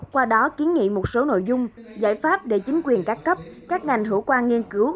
qua đó kiến nghị một số nội dung giải pháp để chính quyền các cấp các ngành hữu quan nghiên cứu